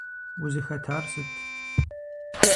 Узыхэтар сыт?